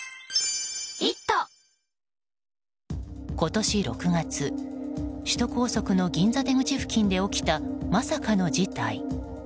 今年６月首都高速の銀座出口付近で起きたまさかの事態。